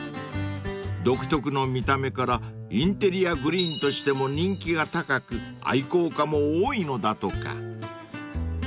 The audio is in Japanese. ［独特の見た目からインテリアグリーンとしても人気が高く愛好家も多いのだとか］